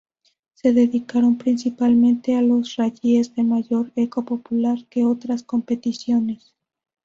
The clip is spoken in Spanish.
Se dedicaron principalmente a los rallies de mayor eco popular que a otras competiciones.